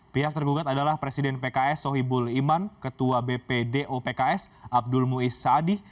pihak tergugat adalah presiden pks sohibul iman ketua bpdo pks abdul muiz saadih